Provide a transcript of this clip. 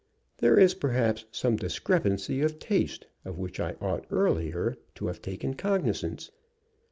There is perhaps some discrepancy of taste of which I ought earlier to have taken cognizance."